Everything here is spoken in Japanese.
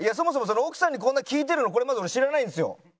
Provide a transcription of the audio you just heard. そもそも奥さんにこんなん聞いてるのこれまず俺知らないんですよ。